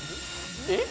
えっ？